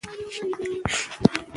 اجمل خټک وویل چې حالات ډېر اثر لري.